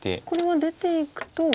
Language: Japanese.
これは出ていくと。